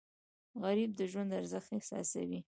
غریب د ژوند ارزښت احساسوي